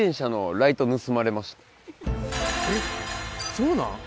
そうなん？